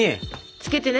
つけてね。